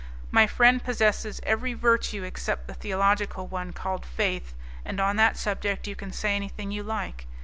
My friend possesses every virtue except the theological one called faith, and on that subject you can say anything you like.